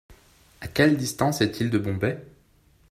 À quelle distance est-il de Bombay ?